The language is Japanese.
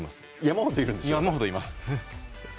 山ほどいます。